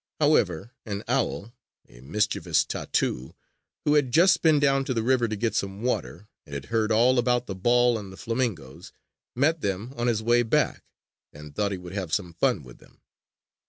However, an owl, a mischievous tatu, who had just been down to the river to get some water, and had heard all about the ball and the flamingoes, met them on his way back and thought he would have some fun with them.